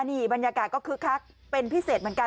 นี่บรรยากาศก็คึกคักเป็นพิเศษเหมือนกัน